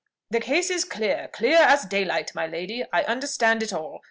"The case is clear clear as daylight, my lady: I understand it all.